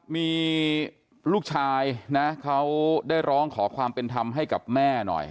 มีลูกชายนะเขาได้ร้องขอความเป็นธรรมให้กับแม่หน่อย